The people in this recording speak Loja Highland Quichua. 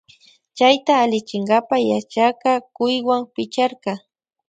Chayta allichinkapa yachakka cuywan picharka.